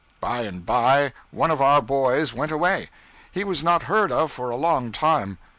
By and by one of our boys went away. He was not heard of for a long time.